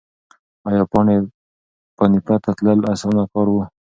ایا پاني پت ته تلل اسانه کار و؟